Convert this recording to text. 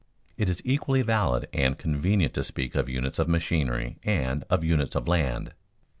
It is equally valid and convenient to speak of units of machinery and of units of land.